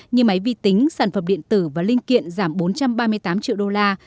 như máy vi tính sản phẩm điện tử và linh kiện giảm bốn trăm ba mươi tám triệu đô la